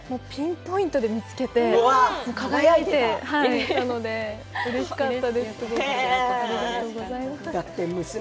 ピンポイントで見つけて輝いていたのでうれしかったです。